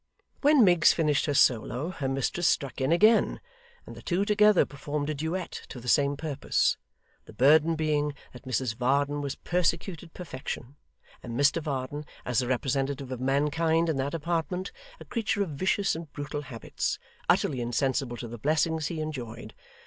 When Miggs finished her solo, her mistress struck in again, and the two together performed a duet to the same purpose; the burden being, that Mrs Varden was persecuted perfection, and Mr Varden, as the representative of mankind in that apartment, a creature of vicious and brutal habits, utterly insensible to the blessings he enjoyed.